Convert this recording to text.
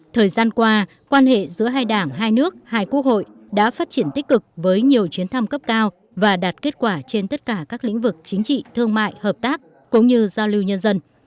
thời gian qua quan hệ giữa hai đảng hai nước hai quốc hội đã phát triển tích cực với nhiều chuyến thăm cấp cao và đạt kết quả trên tất cả các lĩnh vực chính trị thương mại hợp tác cũng như giao lưu nhân dân